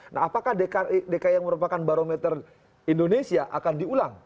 nah apakah dki yang merupakan barometer indonesia akan diulang